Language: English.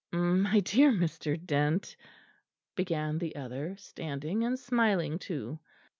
"My dear Mr. Dent " began the other, standing and smiling too.